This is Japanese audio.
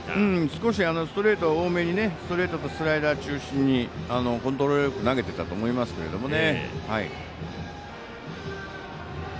少しストレート多めにストレートとスライダー中心にコントロールよく投げてたと思いますけどね。